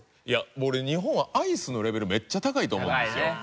いやもう俺日本はアイスのレベルめっちゃ高いと思うんですよ。